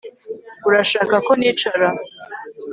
Urashaka ko nicara